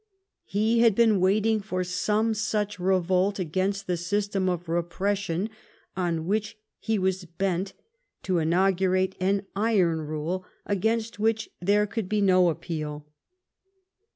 He had been waiting for some such revolt against the system of repression on which he was bent, to inaugurate an iron rule against which there could be no appeal.